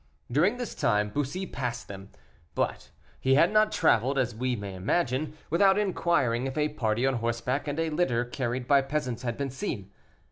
During this time Bussy passed them, but he had not traveled, as we may imagine, without inquiring if a party on horseback, and a litter carried by peasants, had been seen.